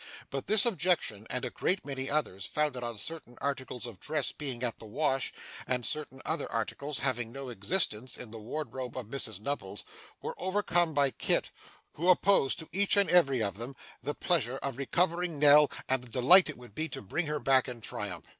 But this objection, and a great many others, founded on certain articles of dress being at the wash, and certain other articles having no existence in the wardrobe of Mrs Nubbles, were overcome by Kit, who opposed to each and every of them, the pleasure of recovering Nell, and the delight it would be to bring her back in triumph.